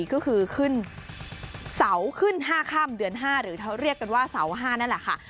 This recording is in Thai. ก็คือขึ้นเสาขึ้น๕ค่ำเดือน๕หรือเขาเรียกกันว่าเสา๕นั่นแหละค่ะ